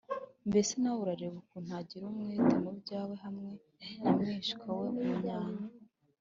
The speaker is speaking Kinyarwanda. mbese nawe urareba ukuntu agira umwete mu byawe hamwe na mwishywa we munyanya